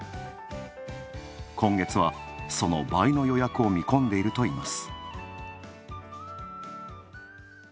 今月はその倍の予約を見込んでいるといいます。